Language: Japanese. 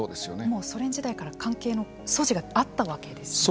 もうソ連時代から関係の素地があったわけですね。